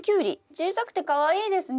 小さくてかわいいですね。